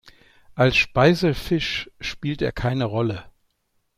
Als Speisefisch spielt er keine Rolle.